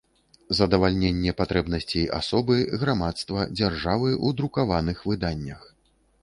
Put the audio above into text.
Задавальненне патрэбнасцей асобы, грамадства, дзяржавы ў друкаваных выданнях.